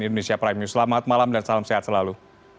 dan indonesia prime news selamat malam dan salam sehat selalu